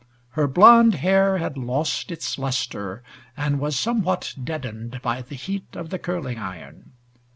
Her blonde hair had lost its luster and was somewhat deadened by the heat of the curling iron.